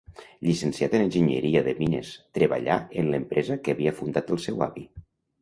Llicenciat en enginyeria de mines, treballà en l'empresa que havia fundat el seu avi.